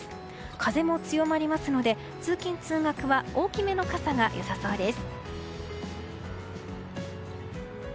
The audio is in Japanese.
風も強まりますので通勤・通学は大きめの傘が良さそうです。